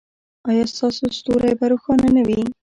ایا ستاسو ستوری به روښانه نه وي؟